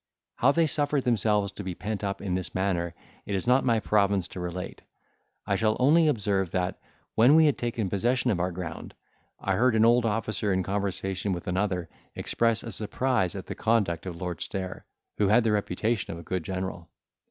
How they suffered themselves to be pent up in this manner it is not my province to relate; I shall only observe that, when we had taken possession of our ground, I heard an old officer in conversation with another express a surprise at the conduct of Lord Stair, who had the reputation of a good general.